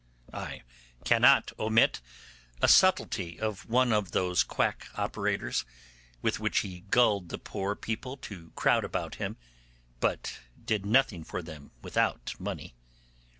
I cannot omit a subtility of one of those quack operators, with which he gulled the poor people to crowd about him, but did nothing for them without money.